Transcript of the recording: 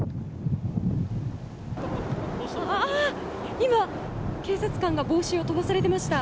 今、警察官が帽子を飛ばされました。